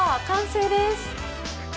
完成です！